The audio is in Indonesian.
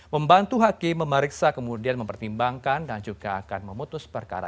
membantu hakim memeriksa kemudian mempertimbangkan dan juga akan memutus perkara